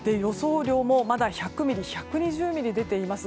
雨量も、まだ１００ミリ１２０ミリ出ています。